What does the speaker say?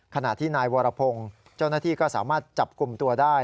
ขณะที่นายวรพงศ์เจ้าหน้าที่ก็สามารถจับกลุ่มตัวได้